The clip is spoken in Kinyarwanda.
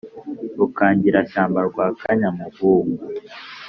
Rukangirashyamba rwa Kanyamuhungu